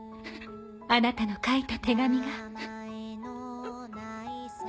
あなたの書いた手紙が。